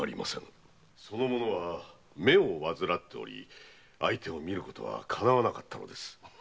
その者は目を患っており相手を見ることはかなわなかったのです。